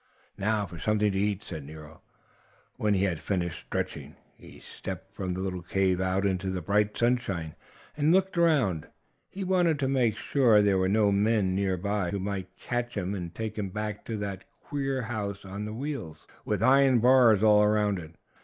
"Now for something to eat!" said Nero, when he had finished stretching. He stepped from the little cave out into the bright sunshine, and looked around. He wanted to make sure there were no men near by who might catch him and take him back to that queer house on wheels, with iron bars all around it.